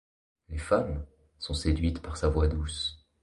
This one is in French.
Les femmes sont séduites par sa voix douce.